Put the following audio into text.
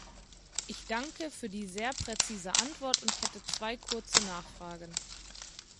Ich danke für die sehr präzise Antwort und hätte zwei kurze Nachfragen.